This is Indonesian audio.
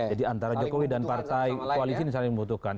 jadi antara jokowi dan partai koalisi ini saling membutuhkan